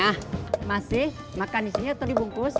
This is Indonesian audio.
nah masih makan di sini atau dibungkus